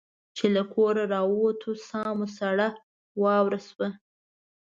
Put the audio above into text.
چې له کوره را ووتو ساه مو سړه واوره شوه.